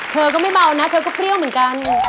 เธอก็ไม่เบานะเธอก็เปรี้ยวเหมือนกัน